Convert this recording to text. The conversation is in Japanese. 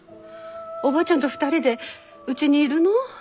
おばあちゃんと２人でうちにいるの？